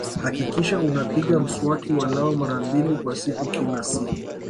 Hakikisha unapiga mswaki walau mara mbili kwa siku kila siku